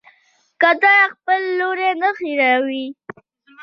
کوتره خپل لوری نه هېروي.